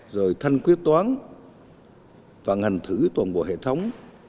rồi thanh quyết toán và hành thử toàn bộ hệ thống